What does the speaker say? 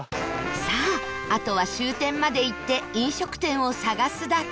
さああとは終点まで行って飲食店を探すだけ